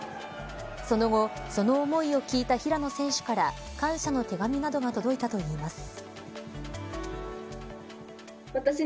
その後その思いを聞いた平野選手から感謝の手紙などが届いたといいます。